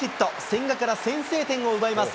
千賀から先制点を奪います。